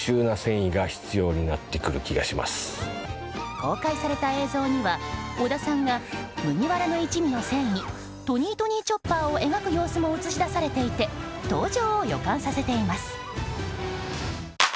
公開された映像には尾田さんが麦わらの一味の船医トニートニー・チョッパーを描く様子も映し出されていて登場を予感させています。